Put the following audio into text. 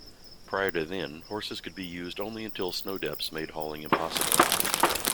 Prior to then, horses could be used only until snow depths made hauling impossible.